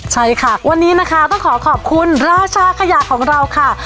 ใช่ค่ะวันนี้นะคะต้องขอขอบคุณราชาขยะของเราค่ะ